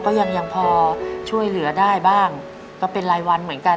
ก็ยังยังพอช่วยเหลือได้บ้างก็เป็นรายวันเหมือนกัน